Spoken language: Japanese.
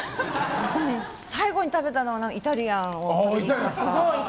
最後に食べたのはイタリアンを食べに行きました。